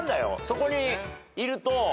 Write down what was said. そこにいると。